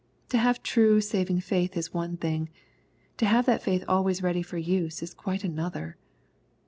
To have true saving faith is one thing. To have that faith always ready for use is quite another.